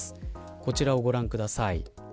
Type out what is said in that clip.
こちらをご覧ください。